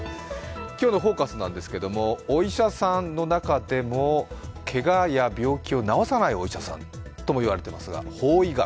今日のフォーカスなんですけどお医者さんの中でもけがや病気を治さないお医者さんともいわれていますが法医学。